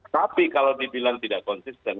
tapi kalau dibilang tidak konsisten